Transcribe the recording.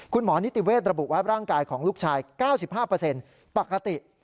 คุณหมอนิติเวศระบุวัพย์ร่างกายของลูกชาย๙๕ปกติ